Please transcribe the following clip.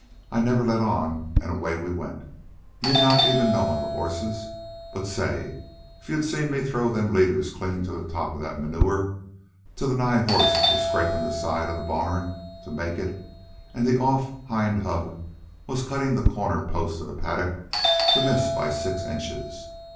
I never let on, an' away we went, me not even knowin' the horses but, say, if you'd seen me throw them leaders clean to the top of the manure till the nigh horse was scrapin' the side of the barn to make it, an' the off hind hub was cuttin' the corner post of the paddock to miss by six inches.